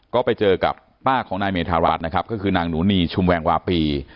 ก็ไปเจอกับป้าของนายเมธารัฐนะครับก็คือนางหนูนีชุมแวงวาปี